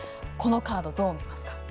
このカード、どう見ますか？